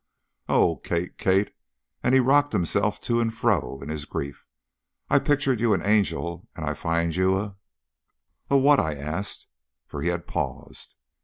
O Kate, Kate!" and he rocked himself to and fro in his grief; "I pictured you an angel and I find you a " "A what?" I asked, for he had paused.